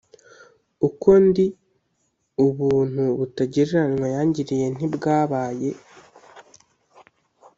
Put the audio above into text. uko ndi ubuntu butagereranywa yangiriye ntibwabaye